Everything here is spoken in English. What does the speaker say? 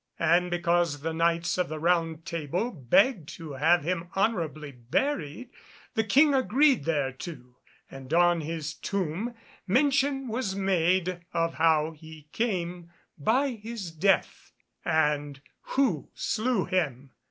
And because the Knights of the Round Table begged to have him honourably buried, the King agreed thereto, and on his tomb mention was made of how he came by his death, and who slew him.